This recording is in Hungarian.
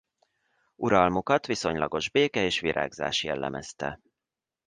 Uralmukat viszonylagos béke és virágzás jellemezte.